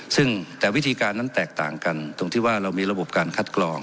ซึ่งแต่วิธีการนั้นแตกต่างกันตรงที่ว่าเรามีระบบการคัดกรอง